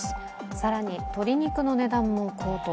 更に鶏肉の値段も高騰。